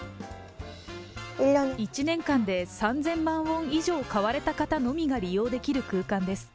１年間で３０００万ウォン以上買われた方のみが利用できる空間です。